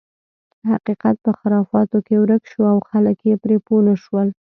حقیقت په خرافاتو کې ورک شو او خلک یې پرې پوه نه شول.